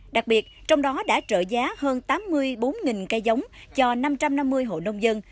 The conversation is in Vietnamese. đặc biệt trong đó đã trợ giá hơn tám mươi bốn cây giống cho năm trăm năm mươi hộ nông dân